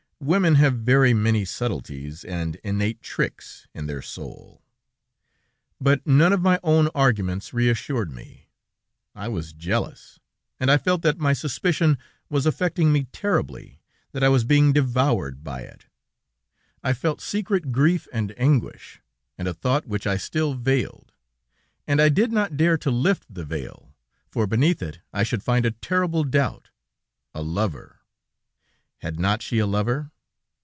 Women have very many subtleties and innate tricks in their soul! "But none of my own arguments reassured me. I was jealous, and I felt that my suspicion was affecting me terribly, that I was being devoured by it. I felt secret grief and anguish, and a thought which I still veiled, and I did not dare to lift the veil, for beneath it I should find a terrible doubt.... A lover! ... Had not she a lover?